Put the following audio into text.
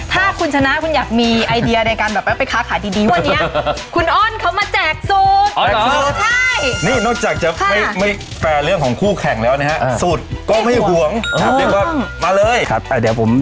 ถ้าคุณชนะคุณอยากมีไอเดียในการแบบไปค้าขายดีวันนี้คุณอ้อนเขามาแจกสูตร